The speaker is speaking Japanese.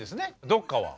どっかは。